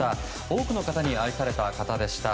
多くの方に愛された方でした。